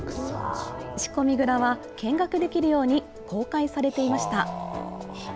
仕込み蔵は、見学できるように公開されていました。